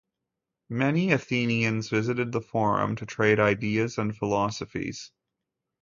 Many athenians visited the forum to trade ideas and philosophies.